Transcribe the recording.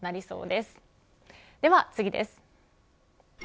では次です。